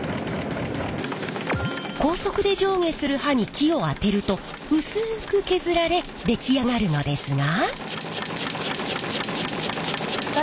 高速で上下する刃に木を当てると薄く削られ出来上がるのですが。